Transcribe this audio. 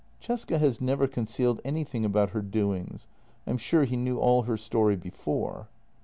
" Cesca has never concealed anything about her doings. I am sure he knew all her story before."